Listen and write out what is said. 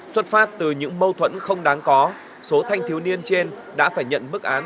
xuất phát từ những mâu thuẫn không đáng có số thanh thiếu niên trên đã phải nhận bức án